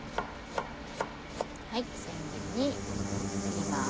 千切りに切ります。